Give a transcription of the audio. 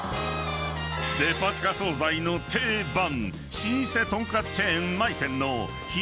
［デパ地下惣菜の定番老舗とんかつチェーン］